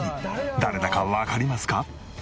誰だかわかりますか？